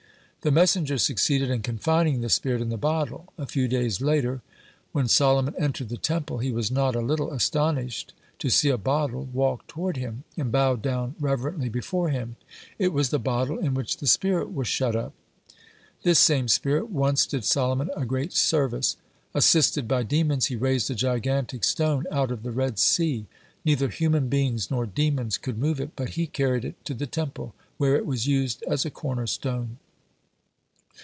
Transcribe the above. The messenger succeeded in confining the spirit in the bottle. A few days later, when Solomon entered the Temple, he was not a little astonished to see a bottle walk toward him, and bow down reverently before him; it was the bottle in which the spirit was shut up. This same spirit once did Solomon a great service. Assisted by demons, he raised a gigantic stone out of the Red Sea. Neither human beings nor demons could move it, but he carried it to the Temple, where it was used as a cornerstone.